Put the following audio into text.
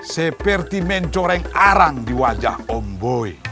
seperti mencoreng arang di wajah omboy